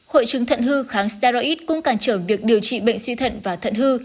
hội chứng thận hư kháng sharaid cũng cản trở việc điều trị bệnh suy thận và thận hư